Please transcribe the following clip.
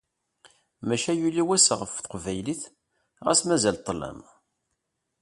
Maca yuli wass ɣef teqbaylit ɣas mazal ṭṭlam.